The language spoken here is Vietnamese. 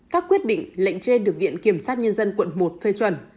các quyết định lệnh trên được viện kiểm sát nhân dân quận một phê chuẩn